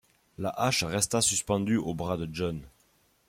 La hache resta suspendue au bras de John.